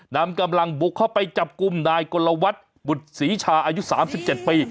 นำกำลังบุกเข้าไปจับกลุ่มนายกลวัฒน์บุตรศรีชาอายุ๓๗ปี